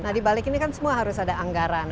nah dibalik ini kan semua harus ada anggaran